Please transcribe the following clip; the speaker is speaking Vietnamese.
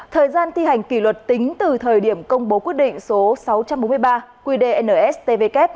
thời gian thi hành kỷ luật tính từ thời điểm công bố quyết định số sáu trăm bốn mươi ba qdstvk